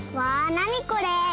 なにこれ？